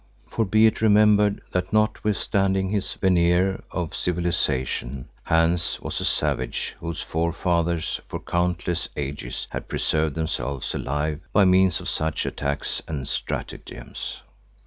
For be it remembered that notwithstanding his veneer of civilisation, Hans was a savage whose forefathers for countless ages had preserved themselves alive by means of such attacks and stratagems.